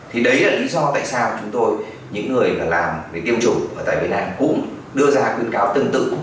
thì đấy là lý do tại sao chúng tôi những người mà làm về tiêm chủng ở tại việt nam cũng đưa ra khuyến cáo tương tự